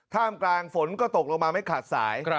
ท่ามกลางฝนก็ตกลงมาไม่ขาดสาย